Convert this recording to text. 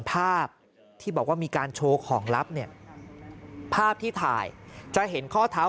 ภาพที่บอกว่ามีการโชว์ของลับเนี่ยภาพที่ถ่ายจะเห็นข้อเท้า